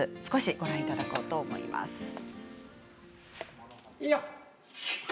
少しご覧いただこうと思います。